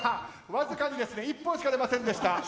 わずかに一本しか出ませんでした。